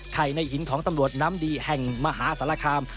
ในหินของตำรวจน้ำดีแห่งมหาสารคาม